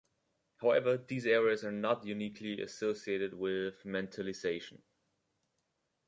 However, these areas are not uniquely associated with mentalization.